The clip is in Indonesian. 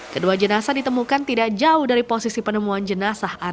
kedua jenazah ditemukan di rumah duka untuk selanjutnya dimakamkan di pemakaman umum desa setempat